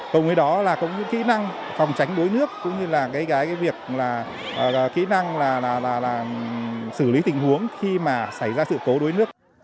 cùng với đó là cũng những kỹ năng phòng tránh đối nước cũng như là kỹ năng xử lý tình huống khi mà xảy ra sự cố đối nước